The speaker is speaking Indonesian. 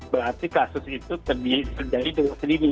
berarti kasus itu terjadi dengan sendiri